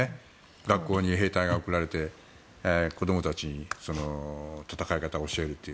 学校に兵隊が送られて子どもたちに戦い方を教えるという。